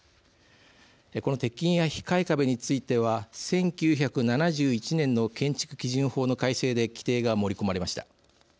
この鉄筋や控え壁については１９７１年の建築基準法の改正で規定が盛り込まれました。